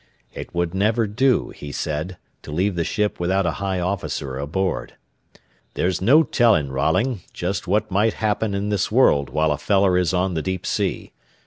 It would never do, he said, to leave the ship without a high officer aboard. "There's no telling, Rolling, just what might happen in this world while a feller is on the deep sea.